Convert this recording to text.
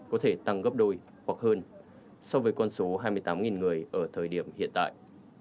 có thể tăng gấp đôi hoặc hơn so với con số hai mươi tám người ở thời điểm hiện tại